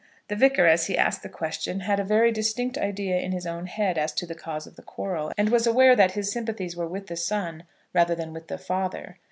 The Vicar, as he asked the question had a very distinct idea in his own head as to the cause of the quarrel, and was aware that his sympathies were with the son rather than with the father.